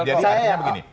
jadi artinya begini